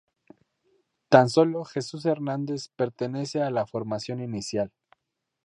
Tan solo Jesús Hernández pertenece a la formación inicial.